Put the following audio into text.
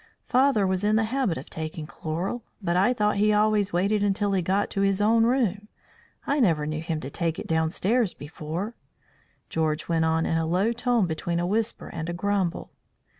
"Father was in the habit of taking chloral, but I thought he always waited until he got to his own room. I never knew him to take it downstairs before," George went on in a low tone between a whisper and a grumble.